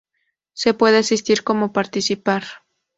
Se puede asistir como participar.